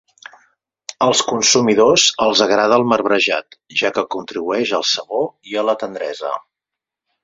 Als consumidors els agrada el marbrejat, ja que contribueix al sabor i a la tendresa.